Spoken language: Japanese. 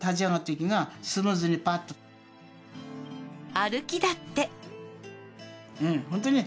歩きだって。